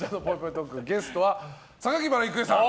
トークゲストは榊原郁恵さん。